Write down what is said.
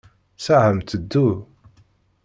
Ssaɛa-m tteddu.